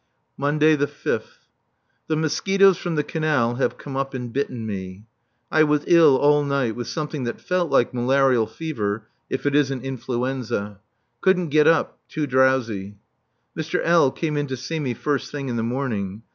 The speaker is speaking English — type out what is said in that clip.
[Monday, 5th.] The mosquitoes from the canal have come up and bitten me. I was ill all night with something that felt like malarial fever, if it isn't influenza. Couldn't get up too drowsy. Mr. L. came in to see me first thing in the morning.